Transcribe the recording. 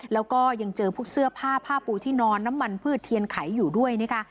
แล้วก็ยังเจอพวกเสื้อผ้าผ้าปูที่นอนน้ำมันพืชเทียนไขอยู่ด้วยนะคะ